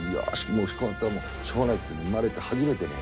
こうなったらしょうがないっていうんで生まれて初めてね